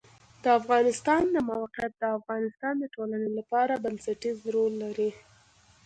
د افغانستان د موقعیت د افغانستان د ټولنې لپاره بنسټيز رول لري.